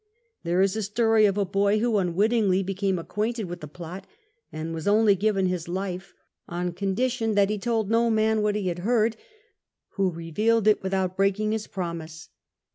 There is a story of a boy who unwittingly became acquainted with the plot and was only given his life on condition that he told no man what he had heard, who revealed it without breaking his promise.